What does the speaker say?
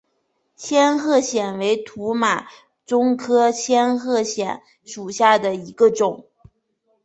仙鹤藓为土马鬃科仙鹤藓属下的一个种。